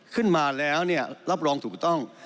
ขึ้นมาแล้วรับรองถูกต้อง